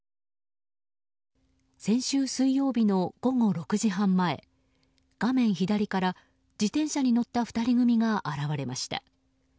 先週水曜日の午後６時半前画面左から自転車に乗った２人組が現れました。